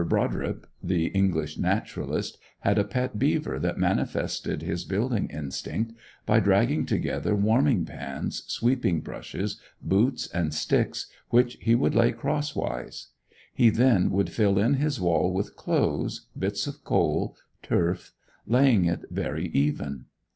Broderip, the English naturalist, had a pet beaver that manifested his building instinct by dragging together warming pans, sweeping brushes, boots, and sticks, which he would lay crosswise. He then would fill in his wall with clothes, bits of coal, turf, laying it very even.